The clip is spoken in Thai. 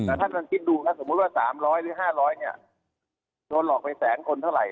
แต่ถ้าท่านคิดดูสมมุติว่า๓๐๐หรือ๕๐๐โดนหลอกไปแสงคนเท่าไหร่